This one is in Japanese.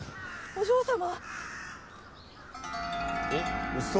お嬢様！